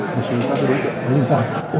và xử lý các đối tượng có liên quan